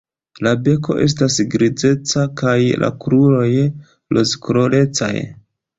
La beko estas grizeca kaj la kruroj rozkolorecaj.